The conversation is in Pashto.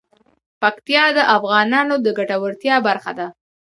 پکتیا د افغانانو د ګټورتیا برخه ده.